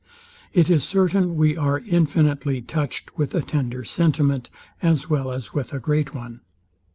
It is certain we are infinitely touched with a tender sentiment, as well as with a great one.